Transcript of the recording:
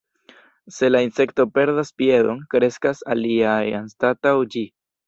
Se la insekto perdas piedon, kreskas alia anstataŭ ĝi.